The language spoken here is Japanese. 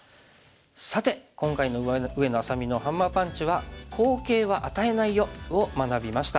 さて今回の上野愛咲美のハンマーパンチは「好形は与えないよ」を学びました。